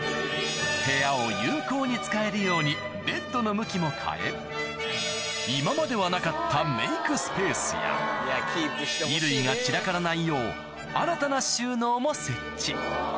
部屋を有効に使えるようにベッドの向きも変え今まではなかったメイクスペースや衣類が散らからないよう新たな収納も設置